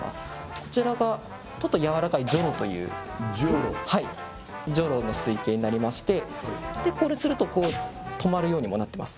こちらがちょっとやわらかいジョロというジョロの水形になりましてでこれするとこう止まるようにもなってます